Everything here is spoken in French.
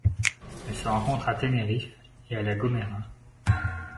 Elle se rencontre à Tenerife et à La Gomera.